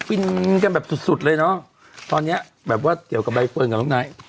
ฟินกันแบบสุดสุดเลยเนอะตอนเนี้ยแบบว่าเกี่ยวกับใบเฟิร์นกับน้องไนท์